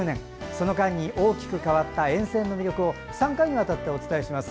その間に大きく変わった沿線の魅力を３回にわたってお伝えします。